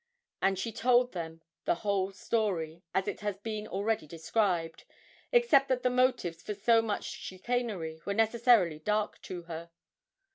And she told them the whole story, as it has been already described, except that the motives for so much chicanery were necessarily dark to her.